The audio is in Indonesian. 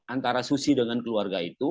antara susi dengan keluarga itu